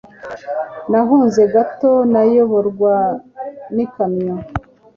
Nahunze gato nayoborwa n'ikamyo.